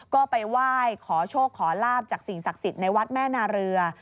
ก็ไปไหว้ขอโชคขอลาบจากสิ่งศักดิ์สิทธิ์ในวัดแม่นาเรือ